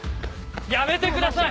やめてください！